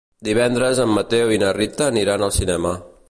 Divendres en Mateu i na Rita aniran al cinema.